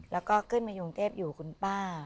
แล้วก็ขึ้นมากรุงเทพอยู่คุณป้า